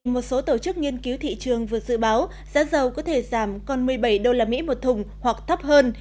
một số tổ chức nghiên cứu thị trường vừa dự báo giá dầu có thể giảm còn một mươi bảy usd một thùng hoặc thấp hơn